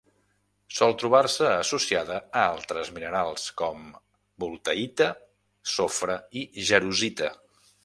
Sol trobar-se associada a altres minerals com: voltaïta, sofre i jarosita.